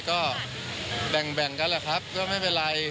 ก็แบ่งกันแหละครับก็ไม่เป็นไร